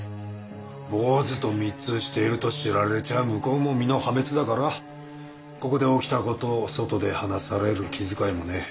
坊主と密通していると知られちゃ向こうも身の破滅だからここで起きた事を外で話される気遣いもねえ。